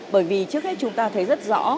bởi vì trước hết chúng ta thấy rất rõ